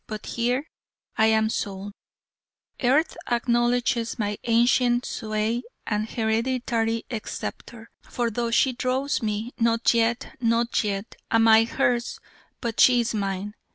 but here I am Sole; Earth acknowledges my ancient sway and hereditary sceptre: for though she draws me, not yet, not yet, am I hers, but she is mine.